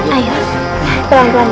ayo pelan pelan ya